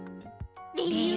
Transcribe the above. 理由？